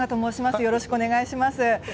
よろしくお願いします。